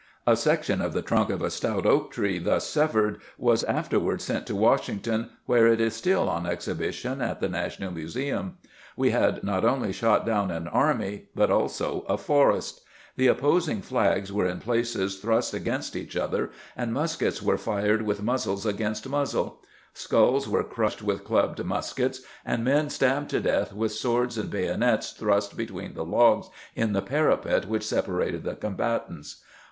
A section of the trunk of a stout oak tree thus severed was afterward sent to Washington, where it is still on exhibition at the National Museum. We had not only shot down an army, but also a forest. The opposing flags were in SCENES AT THE " BLOODY ANGLE" 111 places thrust against eaeli other, and muskets were fired with muzzle against muzzle. Skulls were crushed with clubbed muskets, and men stabbed to death with swords and bayonets thrust between the logs in the parapet which separated the combatants.